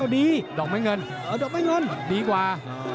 ติดตามยังน้อยกว่า